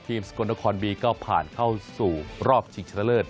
สกลนครบีก็ผ่านเข้าสู่รอบชิงชนะเลิศ